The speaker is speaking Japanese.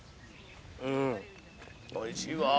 うんおいしいわ。